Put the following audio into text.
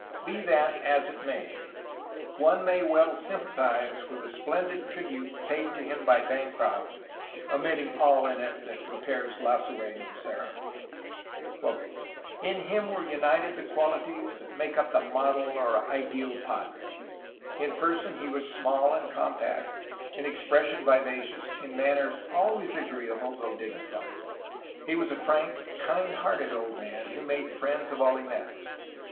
Be that as it may, one may well sympathize with the splendid tribute (omitting all in it that compares Lasuen to Serra) paid to him by Bancroft: "In him were united the qualities that make up the model or ideal padre ... In person he was small and compact, in expres sion vivacious, in manners always agreeable, though dignified. He was a frank, kind hearted old man, who made friends of all he met.